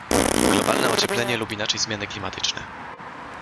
Globalne ocieplenie lub inaczej zmiany klimatyczne.